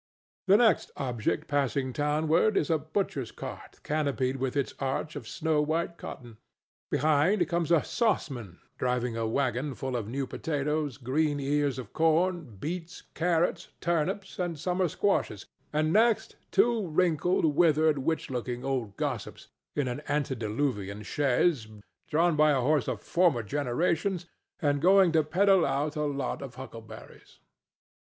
The next object passing townward is a butcher's cart canopied with its arch of snow white cotton. Behind comes a "sauceman" driving a wagon full of new potatoes, green ears of corn, beets, carrots, turnips and summer squashes, and next two wrinkled, withered witch looking old gossips in an antediluvian chaise drawn by a horse of former generations and going to peddle out a lot of huckleberries.